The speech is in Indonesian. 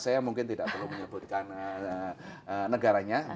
saya mungkin tidak perlu menyebutkan negaranya